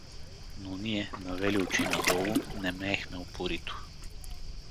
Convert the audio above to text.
Но ние, навели очи надолу, немеехме упорито.